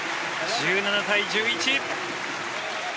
１７対１１。